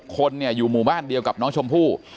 คนอยู่หมู่บ้านเดียวกับน้องชมพู่